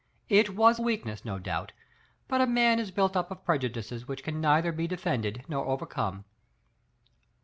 It was weakness, no doubt, but man is built up of prejudices which can neither be de fended nor overcome.